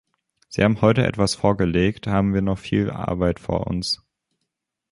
Sie haben heute etwas vorgelegthaben wir noch viel Arbeit vor uns.